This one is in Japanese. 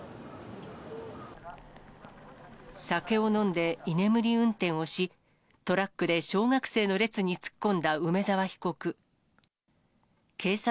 酒を飲んで居眠り運転をし、トラックで小学生の列に突っ込んだ梅沢被告。